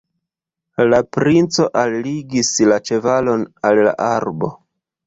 La princo alligis la ĉevalon al arbo.